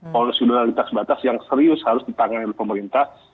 polisi udara di tas batas yang serius harus ditangani oleh pemerintah